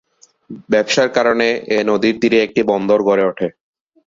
ব্যবসার কারণে এ নদীর তীরে একটি বন্দর গড়ে ওঠে।